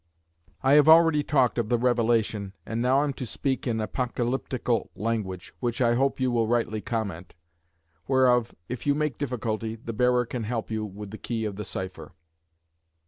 "I have already talked of the Revelation, and now am to speak in apocalyptical language, which I hope you will rightly comment: whereof if you make difficulty, the bearer can help you with the key of the cypher.